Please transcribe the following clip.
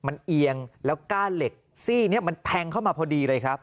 มันเอียงแล้วก้าเหล็กซี่นี้มันแทงเข้ามาพอดีเลยครับ